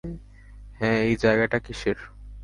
হ্যাঁ এই জায়গাটা কিসের?